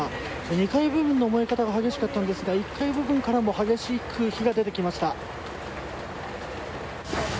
２階部分の燃え方が激しかったのですが１階部分からも激しく火が出てきました。